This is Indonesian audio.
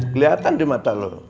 kelihatan di mata lo